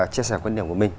chia sẻ quan điểm của mình